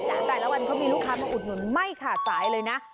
แต่ละวันก็มีลูกค้ามาอุดหนุนไม่ขาดสายเลยนะ